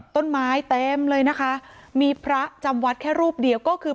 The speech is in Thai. ต้นไม้เต็มเลยนะคะมีพระจำวัดแค่รูปเดียวก็คือ